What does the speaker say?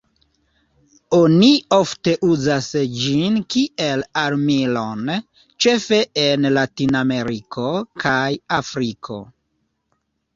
Oni ofte uzas ĝin kiel armilon, ĉefe en Latinameriko kaj Afriko.